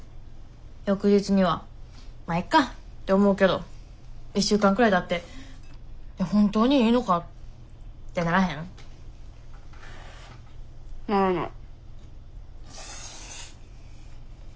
翌日には「まあいっか」って思うけど１週間くらいたって「いや本当にいいのか？」ってならへん？ならない。